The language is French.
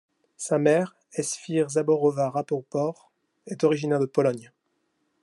Sa mère Esfir Zaborova-Rappoport est originaire de Pologne.